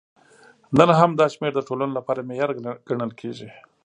نن هم دا شمېر د ټولنو لپاره معیاري ګڼل کېږي.